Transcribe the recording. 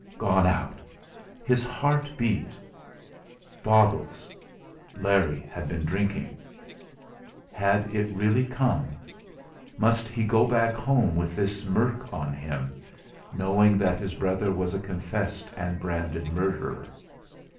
Gone out! His heart beat. Bottles! Larry had been drinking! Had it really come? Must he go back home with this murk on him; knowing that his brother was a confessed and branded murderer?